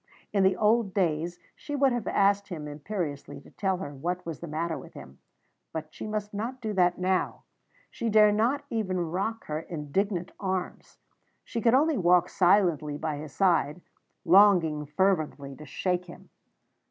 In the old days she would have asked him imperiously to tell her what was the matter with him; but she must not do that now she dare not even rock her indignant arms; she could only walk silently by his side, longing fervently to shake him.